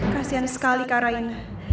kasian sekali karaina